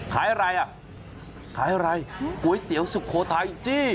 ขายอะไรอ่ะขายอะไรก๋วยเตี๋ยวสุโขทัยจี้